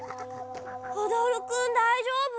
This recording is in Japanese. おどるくんだいじょうぶ？